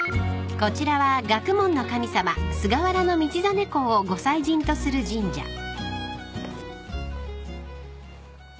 ［こちらは学問の神様菅原道真公をご祭神とする神社］